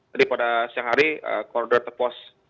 tadi pada siang hari koronator pos